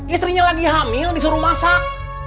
istrinya lagi hamil disuruh masak